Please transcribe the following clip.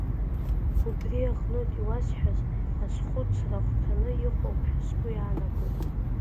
Убри аҟнытә, иуасҳәаз азхәыцра ахәҭаны иҟоуп ҳәа сгәы иаанагоит.